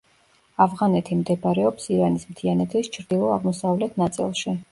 ავღანეთი მდებარეობს ირანის მთიანეთის ჩრდილო-აღმოსავლეთ ნაწილში.